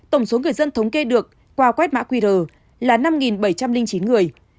tổng số người dân thống kê được qua quét mã qr là năm bảy trăm linh chín người